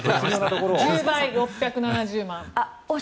１０倍、６７０万。